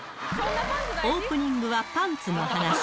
オープニングはパンツの話。